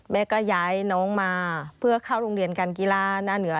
แม่ก็ย้ายน้องมาเพื่อเข้าโรงเรียนการกีฬาหน้าเหนือ